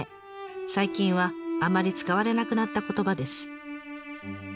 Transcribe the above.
最近はあまり使われなくなった言葉です。